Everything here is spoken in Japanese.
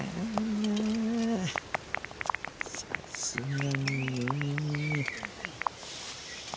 さすがにね。